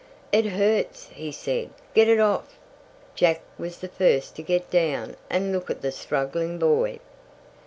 "It hurts!" he said. "Get it off!" Jack was the first to get down and look at the struggling boy.